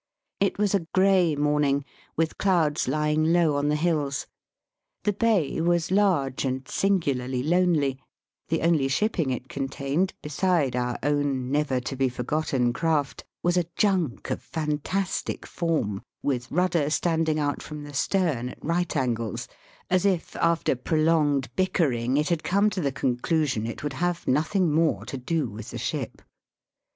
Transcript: It was a grey morning with clouds lying low on the hills. The bay was large and singularly lonely; the only shipping it con tained, beside our own never to be forgotten craft, was a junk of fantastic form, with rudder standing out from the stern at right angles, as if, after prolonged bickering, it had come to the conclusion it would have nothing more to do with the ship.